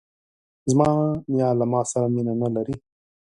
زما نیا له ماسره مینه نه لري.